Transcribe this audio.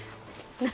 何？